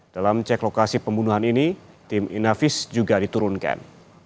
dalam cek lokasi pembunuhan ini tim inavis juga diturunkan